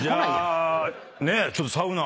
じゃあちょっとサウナ。